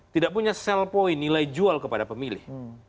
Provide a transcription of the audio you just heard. tidak punya sell point nilai jual kepada pemilih